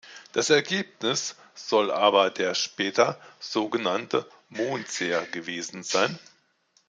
Das Ergebnis soll aber der später so genannte „Mondseer“ gewesen sein.